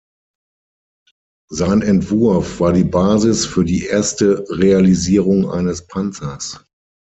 Sein Entwurf war die Basis für die erste Realisierung eines Panzers.